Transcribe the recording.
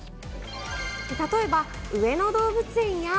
例えば上野動物園や。